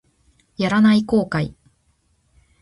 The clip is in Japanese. やらない後悔